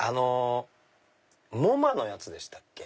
ＭｏＭＡのやつでしたっけ？